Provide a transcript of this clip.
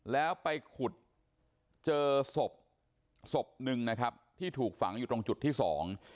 แล้วไปขุดเจอศพศพหนึ่งนะครับที่ถูกฝังอยู่ตรงจุดที่สอง